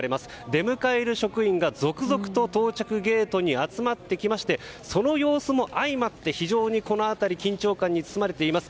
出迎える職員が続々と到着ゲートに集まってきましてその様子も相まって非常にこの辺り緊張感に包まれています。